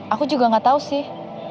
aku juga gak tahu sih